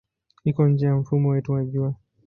Iko nje ya mfumo wetu wa Jua.